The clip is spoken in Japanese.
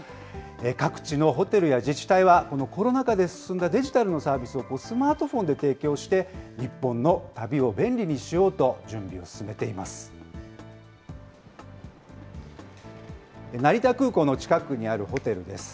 各地のホテルや自治体は、このコロナ禍で進んだデジタルのサービスをスマートフォンで提供して、日本の旅を便利にしようと準備を進めています。